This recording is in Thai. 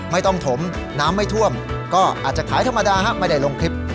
ไม่ต้องถมน้ำไม่ท่วมก็อาจจะขายธรรมดาไม่ได้ลงคลิป